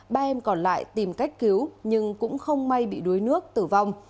ba em còn lại tìm cách cứu nhưng cũng không may bị đuối nước tử vong